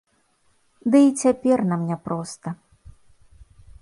Ды і цяпер нам няпроста.